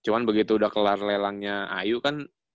cuman begitu udah kelar nelangnya ayu kan